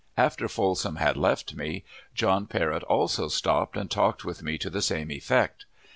After Folsom had left me, John Parrott also stopped and talked with me to the same effect.